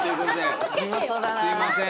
すみません。